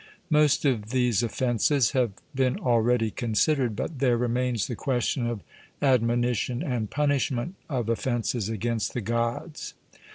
Most of these offences have been already considered; but there remains the question of admonition and punishment of offences against the Gods.